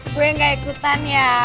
gue gak ikutan ya